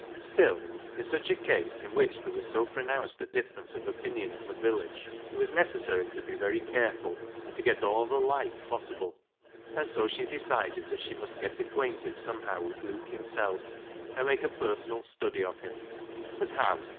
Still, in such a case, in which there was so pronounced a difference of opinion in the village, it was necessary to be very care ful, and to get all the light possible, and so she decided that she must get acquainted some how with Luke himself, and make a personal study of him. But how?